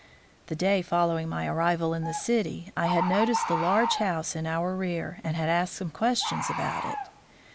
The day following my arrival in the city I had noticed the large house in our rear, and had asked some questions about it.